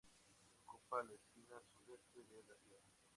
Ocupa la esquina sudeste de la sierra.